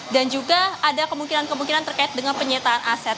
dan juga ada kemungkinan kemungkinan terkait dengan penyertaan aset